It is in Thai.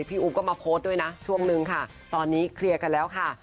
อุ๊บก็มาโพสต์ด้วยนะช่วงนึงค่ะตอนนี้เคลียร์กันแล้วค่ะ